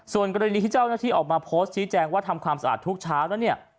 ส่วนกรณีที่เจ้าหน้าที่ออกมาโพสต์ชี้แจงว่าทำความสะอาดทุกเช้าแล้วเนี่ย